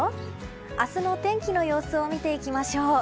明日のお天気の様子を見ていきましょう。